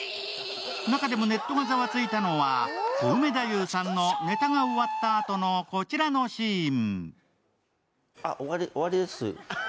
中でもネットがざわついたのは、コウメ太夫さんのネタが終わったあとのこちらのシーン。